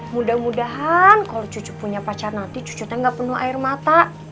mudah mudahan kalau cucu punya pacar nanti cucunya nggak penuh air mata